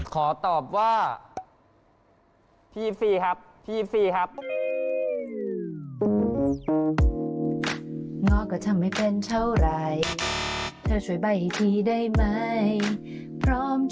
ขอตอบว่าพี่ฟรีครับพี่ฟรีครับ